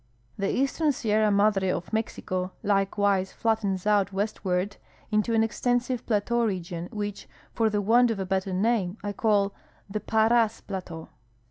The eastern Sierra Madre of Mexico likewise flattens out westward into an extensive plateau region, which, for the want of a better name, I call the Parras plateau.